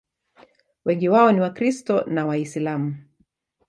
Wengi wao ni Wakristo na Waislamu.